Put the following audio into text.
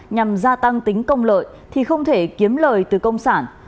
nhằm gia tăng tính công lợi thì không thể kiếm lời từ công sản